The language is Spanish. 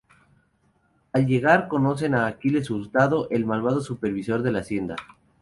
Al llegar, conocen a Aquiles Hurtado, el malvado supervisor de la hacienda.